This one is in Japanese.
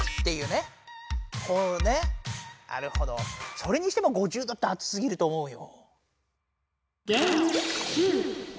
それにしても５０度って熱すぎると思うよ。